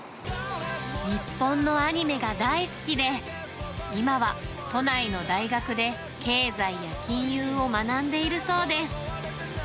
日本のアニメが大好きで、今は都内の大学で経済や金融を学んでいるそうです。